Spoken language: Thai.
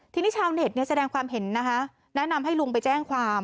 ทีนี้ชาวเน็ตแสดงความเห็นนะคะแนะนำให้ลุงไปแจ้งความ